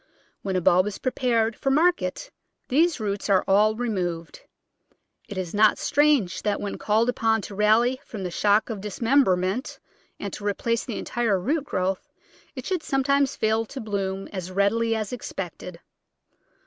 When a bulb is pre pared for market these roots are all removed. It is not strange that when called upon to rally from the shock of dismemberment and to replace the entire root growth it should sometimes fail to bloom as readily as expected.